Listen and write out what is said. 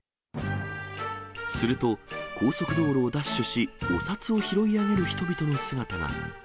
すると、高速道路をダッシュし、お札を拾い上げる人々の姿が。